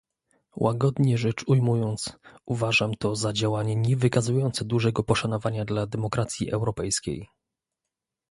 Łagodnie rzecz ujmując, uważam to za działanie nie wykazujące dużego poszanowania dla demokracji europejskiej